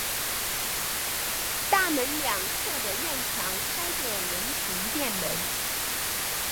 大门两侧的院墙开着人行便门。